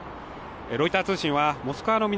ロイター通信はモスクワの南